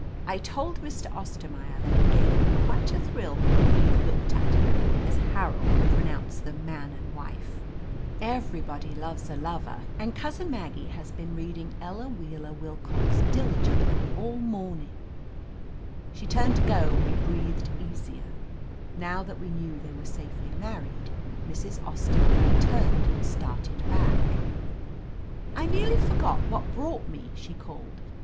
*T told Mr. Ostermaier that it gave me quite a thrill the way he looked at her as Harold pronounced them man and wife. *A11 the 217 THE, AMAZING ADVENTURES nobody ^yes a lover,' and Cousin Maggie has holding^ding Ella Wheeler Wilcox dUigently She turned to go and we breathed easier. Now that we knew they were safely married — Mrs. Ostermaier turned and started back. "I nearly forgot what brought me," she called.